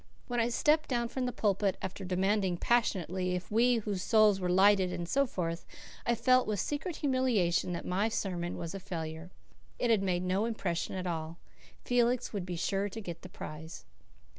When I stepped down from the pulpit, after demanding passionately if we whose souls were lighted and so forth, I felt with secret humiliation that my sermon was a failure. It had made no impression at all. Felix would be sure to get the prize.